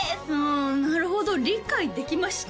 あなるほど理解できました？